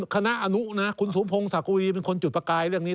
คณะอนุนะคุณสมพงศักวีเป็นคนจุดประกายเรื่องนี้